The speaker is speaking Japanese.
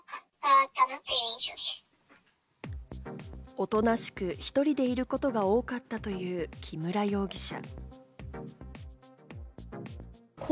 おとなしく、１人でいることが多かったという木村容疑者。